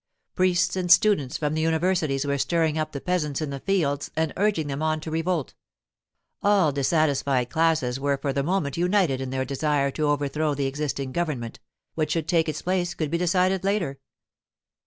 Priests and students from the universities were stirring up the peasants in the fields and urging them on to revolt. All dissatisfied classes were for the moment united in their desire to overthrow the existing government; what should take its place could be decided later.